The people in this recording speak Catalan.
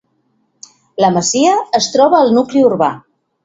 La masia es troba al nucli urbà.